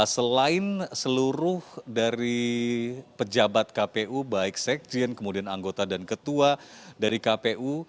selain seluruh dari pejabat kpu baik sekjen kemudian anggota dan ketua dari kpu